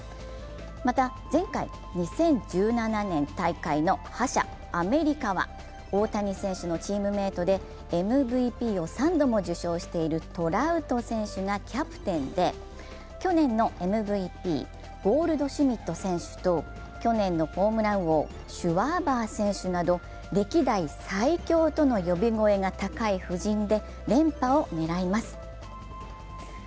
また、前回２０１７年大会の覇者アメリカは大谷選手のチームメイトでＭＶＰを３度も受賞しているトラウト選手がキャプテンで、去年のＭＶＰ、ゴールドシュミット選手と去年のホームラン王・シュワーバー選手など歴代最強との呼び声が高い布陣で連覇を狙います。